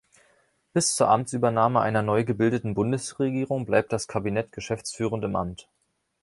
Bis zur Amtsübernahme einer neu gebildeten Bundesregierung bleibt das Kabinett geschäftsführend im Amt.